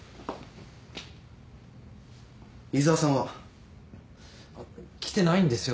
井沢さんは？来てないんですよ。